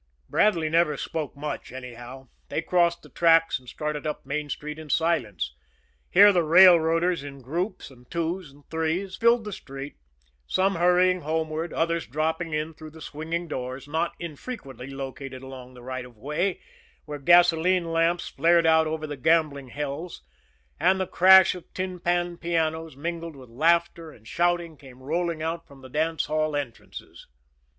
Bradley never spoke much, anyhow. They crossed the tracks and started up Main Street in silence. Here, the railroaders, in groups and twos and threes, filled the street; some hurrying homeward; others dropping in through the swinging doors, not infrequently located along the right of way, where gasoline lamps flared out over the gambling hells, and the crash of tin pan pianos, mingled with laughter and shouting, came rolling out from the dance hall entrances.